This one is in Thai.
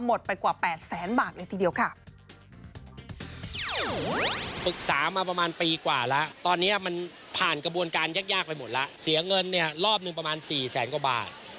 ไปกว่า๘แสนบาทเลยทีเดียวค่ะ